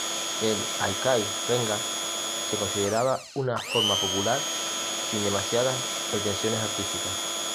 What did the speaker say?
El "haikai renga" se consideraba una forma popular, sin demasiadas pretensiones artísticas.